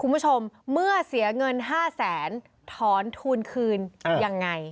คุณผู้ชมเมื่อเสียเงิน๕แสนถอนทุนคืนยังไง